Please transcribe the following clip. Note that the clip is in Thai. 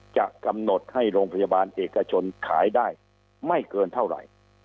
จะกำหนดให้โรงพยาบาลเอกชนขายได้ไม่เกินเท่าไหร่